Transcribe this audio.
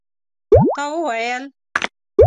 تا وویل?